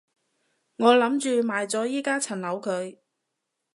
我諗住賣咗依加層樓佢